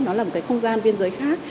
nó là một không gian viên giới khác